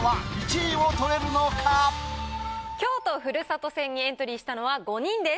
京都ふるさと戦にエントリーしたのは５人です。